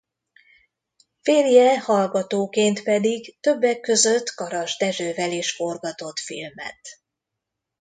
Férje hallgatóként pedig többek között Garas Dezsővel is forgatott filmet.